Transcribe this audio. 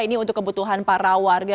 ini untuk kebutuhan para warga